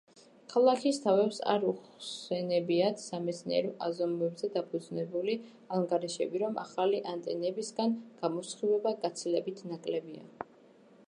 ქალაქის თავებს არ უხსენებიათ სამეცნიერო აზომვებზე დაფუძნებული ანგარიშები, რომ ახალი ანტენებისგან გამოსხივება გაცილებით ნაკლებია.